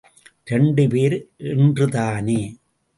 இரண்டு பேர் என்றுதானே?